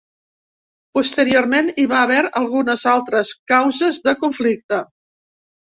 Posteriorment hi va haver algunes altres causes de conflicte.